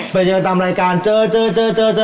ไปเจอกันตามรายการเจอ